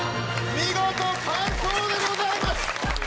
見事完奏でございます